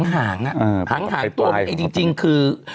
ห่างตัวไปจริงคือ